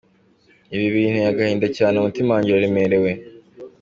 Ibi binteye agahinda cyane, umutima wanjye uraremerewe.